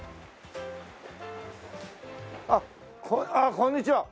あっこんにちは。